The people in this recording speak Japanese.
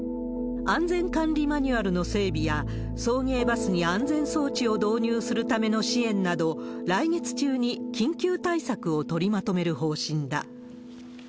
安全管理マニュアルの整備や、送迎バスに安全装置を導入するための支援など、来月中に緊急対策を取りまとめる方針だ。